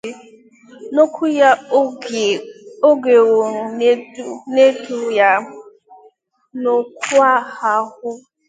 N'okwu ya oge ọ na-edu ya n'ọkwa ahụ